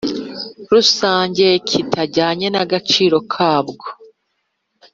rusange kitajyanye n agaciro kabwo